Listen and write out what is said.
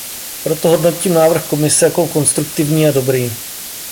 Proto hodnotím návrh Komise jako konstruktivní a dobrý.